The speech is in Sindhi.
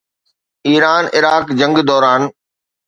ايران-عراق جنگ دوران